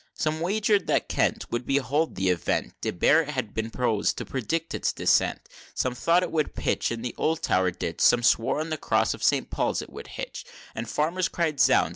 Some wager'd that Kent Would behold the event, Debrett had been posed to predict its descent. XII. Some thought it would pitch In the old Tower Ditch, Some swore on the Cross of St. Paul's it would hitch; And Farmers cried "Zounds!